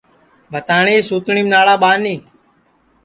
بھتاٹؔی سوتٹؔیم ناڑا ٻانی